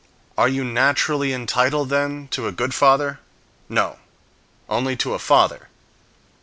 Is you naturally entitled, then, to a good father? No, only to a father.